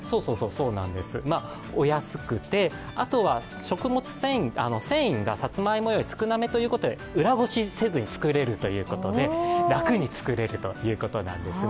そうなんです、お安くて、あとは繊維がさつまいもより少なめということで、裏ごしせずに作れるということで楽に作れるということなんですね。